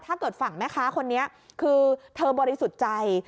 ถ้าเกิดฝั่งแม้ค้าคนนี้คือเธอบริสุทธิ์ใจ